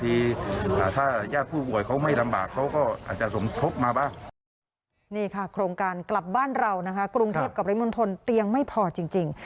นี่ค่ะโครงการกลับบ้านเรานะคะกรุงเทพกับริมณฑลเตียงไม่พอจริง